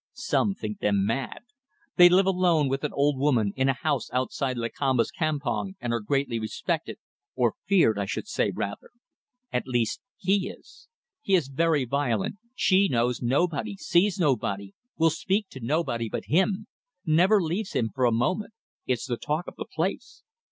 Some think them mad. They live alone with an old woman in a house outside Lakamba's campong and are greatly respected or feared, I should say rather. At least, he is. He is very violent. She knows nobody, sees nobody, will speak to nobody but him. Never leaves him for a moment. It's the talk of the place.